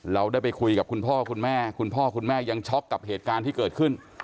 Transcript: เราได้ไปคุยกับคุณพ่อคุณแม่คุณพ่อคุณแม่ยังช็อกกับเหตุการณ์ที่เกิดขึ้น